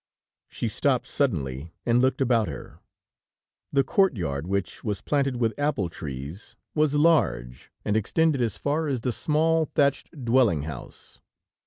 She stopped suddenly and looked about her. The courtyard, which was planted with apple trees, was large and extended as far as the small, thatched dwelling house.